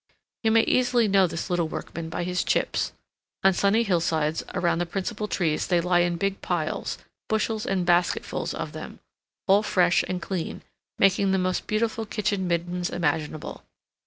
You may easily know this little workman by his chips. On sunny hillsides around the principal trees they lie in big piles,—bushels and basketfuls of them, all fresh and clean, making the most beautiful kitchen middens imaginable.